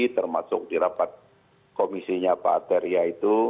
termasuk di rapat komisinya pak arteria itu